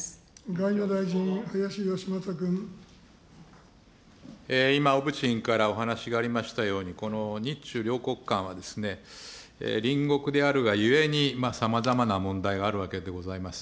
外務大臣、今、小渕委員からお話がありましたように、この日中両国間はですね、隣国であるがゆえに、さまざまな問題があるわけでございます。